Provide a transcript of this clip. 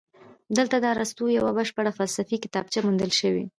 دلته د ارسطو یوه بشپړه فلسفي کتابچه موندل شوې